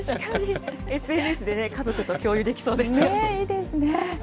ＳＮＳで家族と共有できそういいですね。